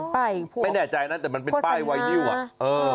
ไม่แน่ใจนะแต่มันเป็นป้ายไวนิวอ่ะเออ